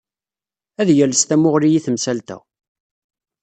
Ad yales tamuɣli i temsalt-a.